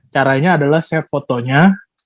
caranya adalah save fotonya